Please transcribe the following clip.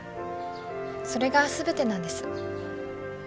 それが全てなんです。